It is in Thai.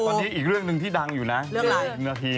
แล้วตอนนี้อีกเรื่องนึงที่ดังอยู่นะเรื่องอะไร